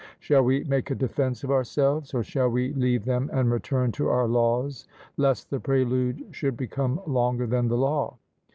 Shall we make a defence of ourselves? or shall we leave them and return to our laws, lest the prelude should become longer than the law?